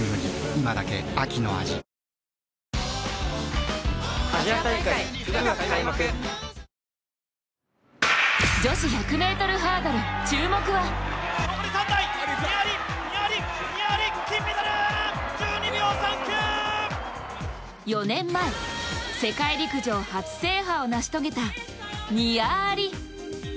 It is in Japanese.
今だけ秋の味女子１００ｍハードル、注目は４年前、世界陸上初制覇を成し遂げたニア・アリ。